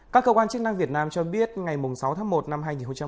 các cơ quan chức năng việt nam cho biết ngày sáu tháng một năm hai nghìn một mươi sáu